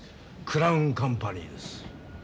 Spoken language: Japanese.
クラウンカンパニーです。